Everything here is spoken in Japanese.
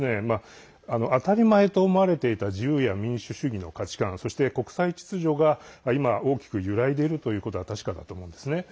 当たり前と思われていた自由や民主主義の価値観そして国際秩序が今、大きく揺らいでいることは確かだと思うんですね。